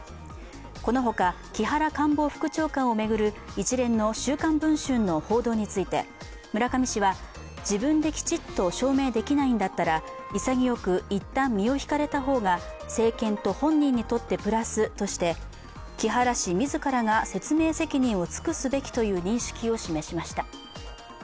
このほか、木原官房副長官を巡る一連の「週刊文春」の報道について村上氏は自分できちっと証明できないんだったら潔く一旦身を引かれた方が政権と本人にとってプラスとして、木原氏自らが説明責任を尽くすべきという認識を示しました。